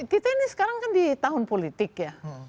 kita ini sekarang kan di tahun politik ya